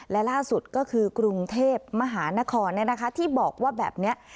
และล่าสุดก็คือกรุงเทพมหานครเนี่ยนะคะที่บอกว่าแบบเนี้ย